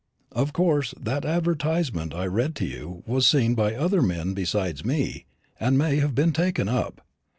Of course, that advertisement I read to you was seen by other men besides me, and may have been taken up.